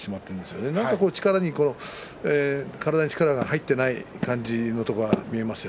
なにか体に力が入っていない感じが見えます。